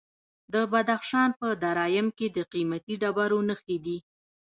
د بدخشان په درایم کې د قیمتي ډبرو نښې دي.